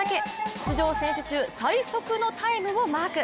出場選手中最速のタイムをマーク。